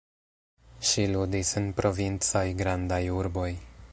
Ŝi ludis en provincaj grandaj urboj.